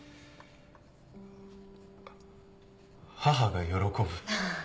母が喜ぶ。